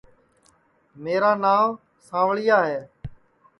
میرا نانٚو سانٚوݪِیا ہے